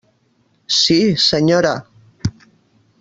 Sí, senyora.